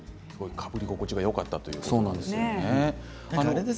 かぶり心地がよかったということですね。